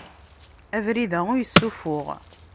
Abrid-a ur yessuffuɣ.